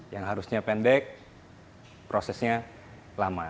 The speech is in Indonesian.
yang harusnya pendek prosesnya lama